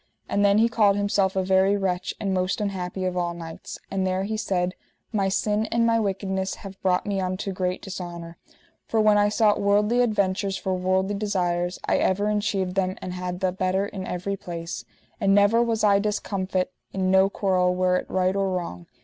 And then he called himself a very wretch, and most unhappy of all knights; and there he said: My sin and my wickedness have brought me unto great dishonour. For when I sought worldly adventures for worldly desires, I ever enchieved them and had the better in every place, and never was I discomfit in no quarrel, were it right or wrong.